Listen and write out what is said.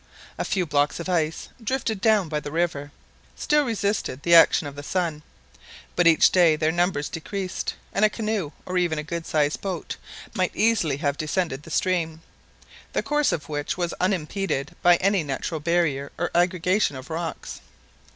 A few blocks of ice, drifted down by the river, still resisted the action of the sun; but each day their number decreased, and a canoe, or even a good sized boat, might easily have descended the stream, the course of which was unimpeded by any natural barrier or aggregation of rocks.